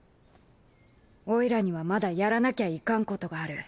オイラにはまだやらなきゃいかんことがある。